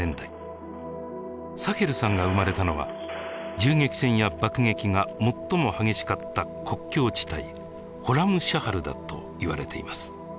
サヘルさんが生まれたのは銃撃戦や爆撃が最も激しかった国境地帯ホラムシャハルだと言われています。